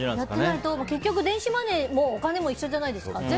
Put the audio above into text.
やっていないと結局、電子マネーもお金も一緒じゃないですか。